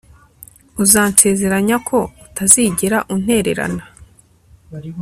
Uzansezeranya ko utazigera untererana